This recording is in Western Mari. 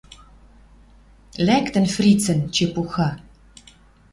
Лӓктӹн фрицӹн чепуха!